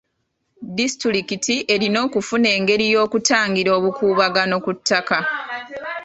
Disitulikiti erina okufuna engeri y'okutangira obukuubagano ku ttaka.